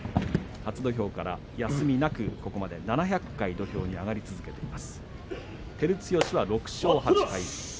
初土俵から休みなくここまで７００回土俵に上がり続けています。